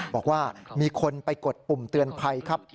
บอกว่ามีคนไปกดปุ่มเตือนภัยครับ